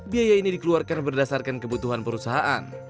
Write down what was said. biaya ini dikeluarkan berdasarkan kebutuhan perusahaan